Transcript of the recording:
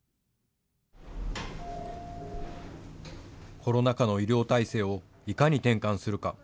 コロナ禍の医療体制をいかに転換するか。